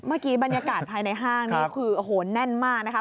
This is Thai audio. เมื่อกี้บรรยากาศภายในห้างนี่คือโอ้โหแน่นมากนะคะ